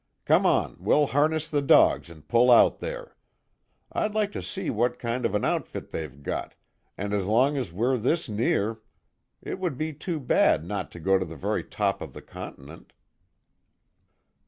"Come on, we'll harness the dogs and pull out there. I'd like to see what kind of an outfit they've got, and as long as we're this near it would be too bad not to go to the very top of the continent."